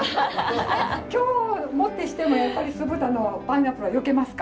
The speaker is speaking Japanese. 今日をもってしてもやっぱり酢豚のパイナップルはよけますか？